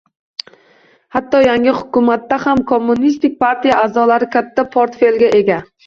Hatto yangi hukumatda ham Kommunistik partiya a'zolari katta portfelga ega